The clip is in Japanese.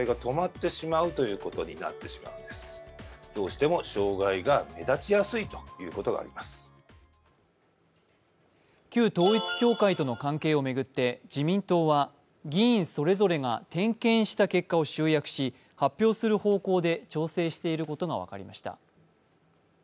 専門家は旧統一教会との関係をめぐって自民党は議員それぞれが点検した結果を集約し、発表する方向で調整していることが分かりました。